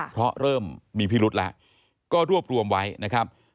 เพราะเริ่มมีพิรุธแล้วก็รวบรวมไว้นะครับ